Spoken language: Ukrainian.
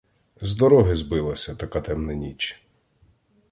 З дороги збилася, така темна ніч.